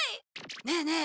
ねえねえ